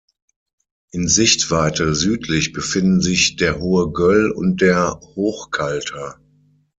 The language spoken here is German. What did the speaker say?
In Sichtweite südlich befinden sich der Hohe Göll und der Hochkalter.